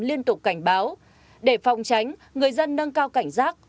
liên tục cảnh báo để phòng tránh người dân nâng cao cảnh giác